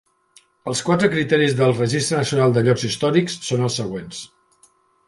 Els quatre criteris del Registre Nacional de Llocs Històrics són els següents.